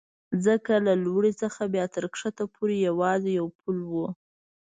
ځکه له لوړې څخه بیا تر کښته پورې یوازې یو پل و.